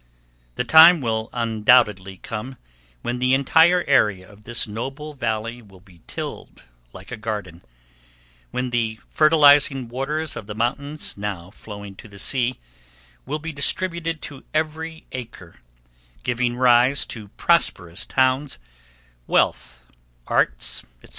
The time will undoubtedly come when the entire area of this noble valley will be tilled like a garden, when the fertilizing waters of the mountains, now flowing to the sea, will be distributed to every acre, giving rise to prosperous towns, wealth, arts, etc.